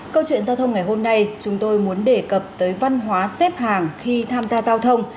câu chuyện giao thông ngày hôm nay chúng tôi muốn đề cập tới văn hóa xếp hàng khi tham gia giao thông